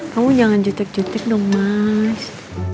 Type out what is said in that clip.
kamu jangan jutek jutek dong mas